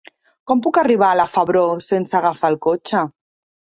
Com puc arribar a la Febró sense agafar el cotxe?